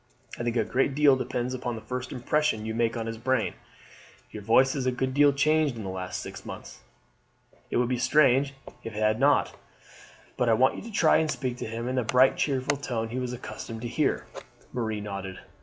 I think a great deal depends upon the first impression you make on his brain. Your voice has a good deal changed in the last six months; it would be strange if it had not; but I want you to try and speak to him in the bright cheerful tone he was accustomed to hear." Marie nodded.